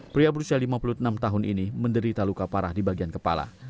pria berusia lima puluh enam tahun ini menderita luka parah di bagian kepala